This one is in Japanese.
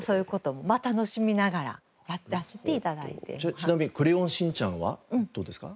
ちなみに『クレヨンしんちゃん』はどうですか？